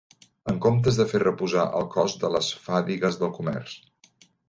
En comptes de fer reposar el cos de les fadigues del comerç